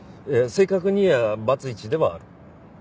正確に言えばバツイチではある。